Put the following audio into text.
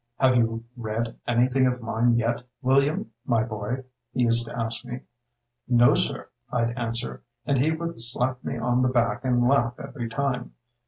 'Have you read anything of mine yet, William my boy?' he used to ask me. 'No, Sir,' I'd answer, and he would slap me on the back and laugh every time.